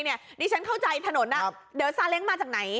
ดิฉันเข้าใจถนนเดี๋ยวซาเล้งมาจากไหน